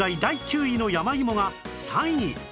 第９位の山芋が３位